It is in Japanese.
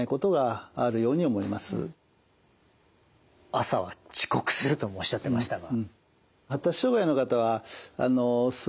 「朝は遅刻する」ともおっしゃってましたが。